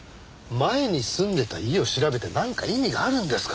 前に住んでいた家を調べてなんか意味があるんですか？